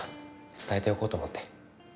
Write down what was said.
伝えておこうと思って。